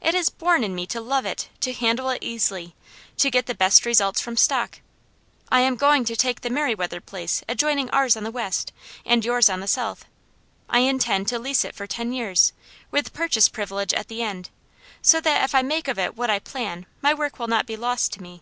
It is born in me to love it, to handle it easily, to get the best results from stock. I am going to take the Merriweather place adjoining ours on the west, and yours on the south. I intend to lease it for ten years, with purchase privilege at the end, so that if I make of it what I plan, my work will not be lost to me.